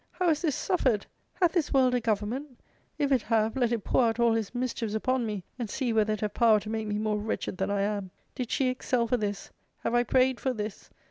how is this suffered ? Hath this world a government ? if it have, let it pour out all his mischiefs upon me, and see whether it have power to make me more wretched than I am. Did she excel for this ? have I prayed for this